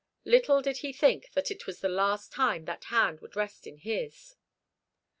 Little did he think that it was the last time that hand would rest in his.